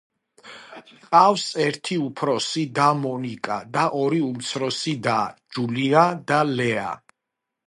ჰყავს ერთი უფროსი და მონიკა და ორი უმცროსი და ჯულია და ლეა.